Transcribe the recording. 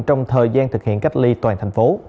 trong thời gian thực hiện cách ly toàn thành phố